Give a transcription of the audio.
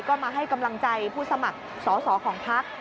ก็มาให้กำลังใจผู้สมัครสอสอของพัก